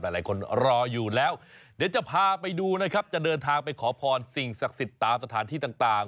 หลายคนรออยู่แล้วเดี๋ยวจะพาไปดูนะครับจะเดินทางไปขอพรสิ่งศักดิ์สิทธิ์ตามสถานที่ต่าง